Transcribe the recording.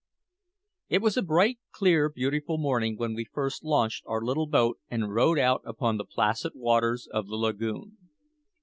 It was a bright, clear, beautiful morning when we first launched our little boat and rowed out upon the placid waters of the lagoon.